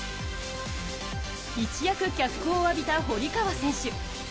一躍脚光を浴びた堀川選手。